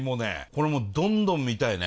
これもうどんどん見たいね。